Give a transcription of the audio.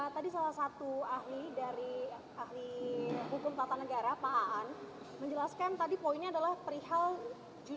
tadi salah satu ahli dari ahli hukum tata negara pak aan menjelaskan tadi poinnya adalah perihal